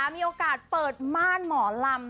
มีโอกาสเปิดม่านหมอลำ